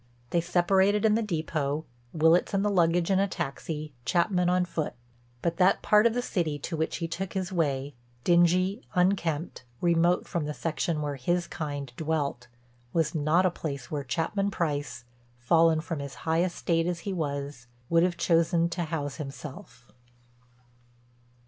They separated in the depot, Willitts and the luggage in a taxi, Chapman on foot. But that part of the city to which he took his way, dingy, unkempt, remote from the section where his kind dwelt, was not a place where Chapman Price, fallen from his high estate as he was, would have chosen to house himself.